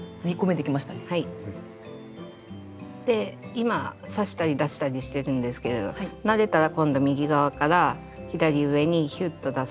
今刺したり出したりしてるんですけれど慣れたら今度右側から左上にヒュッと出すと。